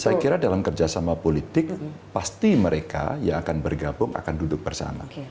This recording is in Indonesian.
saya kira dalam kerjasama politik pasti mereka yang akan bergabung akan duduk bersama